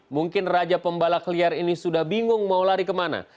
mungkin raja pembalak liar ini sudah bingung mau lari kemana